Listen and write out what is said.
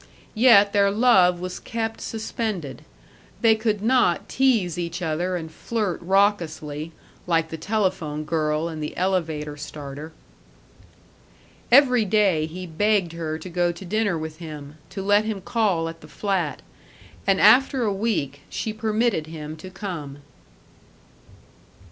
Yet their love was kept suspended. They could not tease each other and flirt raucously, like the telephone girl and the elevator starter. Every day he begged her to go to dinner with him, to let him call at the flat, and after a week she permitted him to come.